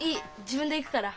自分で行くから。